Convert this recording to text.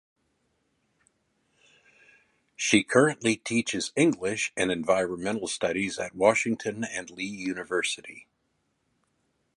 She currently teaches English and Environmental Studies at Washington and Lee University.